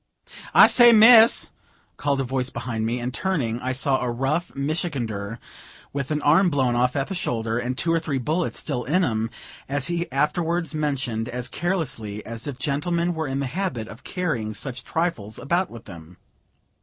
"I say, Mrs.!" called a voice behind me; and, turning, I saw a rough Michigander, with an arm blown off at the shoulder, and two or three bullets still in him as he afterwards mentioned, as carelessly as if gentlemen were in the habit of carrying such trifles about with them.